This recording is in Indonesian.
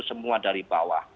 semua dari bawah